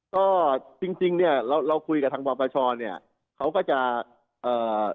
ก็จริงจริงเนี้ยเราเราคุยกับทางปปชเนี่ยเขาก็จะเอ่อ